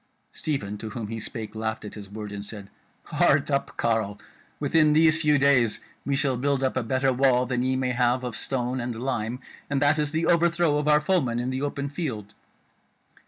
Stephen to whom he spake laughed at his word, and said: "Heart up, carle! within these few days we shall build up a better wall than ye may have of stone and lime; and that is the overthrow of our foemen in the open field."